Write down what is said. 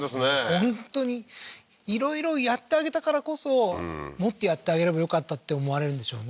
本当にいろいろやってあげたからこそもっとやってあげればよかったって思われるんでしょうね